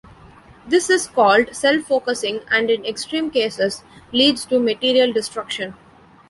This is called self-focusing and in extreme cases leads to material destruction.